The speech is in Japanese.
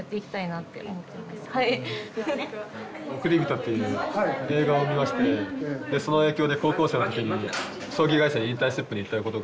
「おくりびと」っていう映画を見ましてでその影響で高校生の時に葬儀会社にインターンシップに行ったことが。